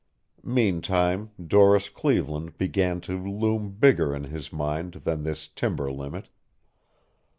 Meantime, Doris Cleveland began to loom bigger in his mind than this timber limit.